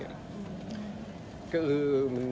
ก็คือ